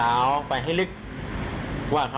แล้วทำท่าเหมือนลบรถหนีไปเลย